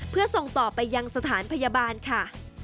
เพื่อส่งต่อไปยังสถานพยาบาลค่ะ